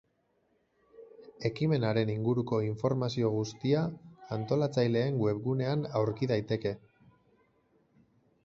Ekimenaren inguruko informazio guztia antolatzaileen webgunean aurki daiteke.